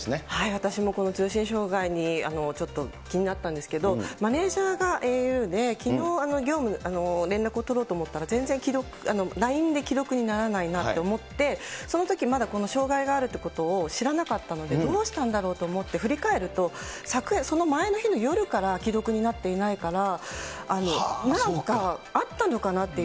私もこの通信障害にちょっと気になったんですけど、マネージャーがａｕで、きのう、業務、連絡を取ろうと思ったら、全然、ＬＩＮＥで既読にならないなと思って、そのとき、まだこの障害があるということを知らなかったので、どうしたんだろうと思って、振り返ると、昨夜、その前の日の夜から、既読になっていないから、連絡が取れない。